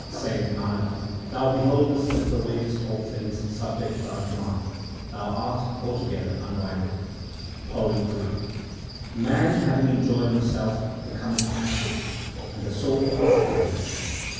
Saith Nanak, Thou beholdest and pervadest all things subject to Thy command : Thou art altogether unrivalled. PAURI III Man having enjoyed himself becometh ashes, and the soul passeth away.